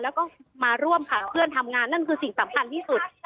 แล้วก็มาร่วมขับเคลื่อนทำงานนั่นคือสิ่งสำคัญที่สุด